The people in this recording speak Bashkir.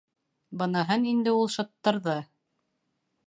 Быныһын инде ул шыттырҙы.